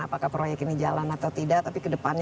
apakah proyek ini jalan atau tidak tapi ke depannya